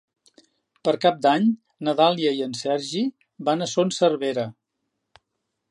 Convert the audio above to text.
Per Cap d'Any na Dàlia i en Sergi van a Son Servera.